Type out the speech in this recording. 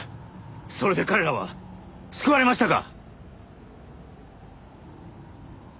それで彼らは救われましたか！？